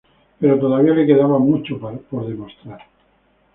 Pero todavía le quedaba mucho por demostrar.